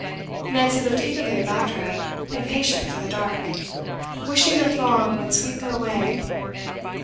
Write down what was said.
Nancy looked eagerly about her, impatient for the dark, wishing the throng would sweep her away.